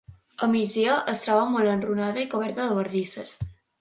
A migdia es troba molt enrunada i coberta de bardisses.